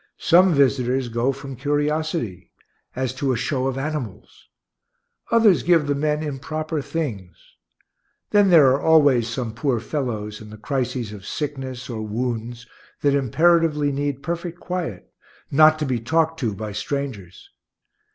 Some visitors go from curiosity as to a show of animals. Others give the men improper things. Then there are always some poor fellows, in the crises of sickness or wounds, that imperatively need perfect quiet not to be talked to by strangers.